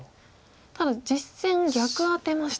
ただ実戦逆アテました。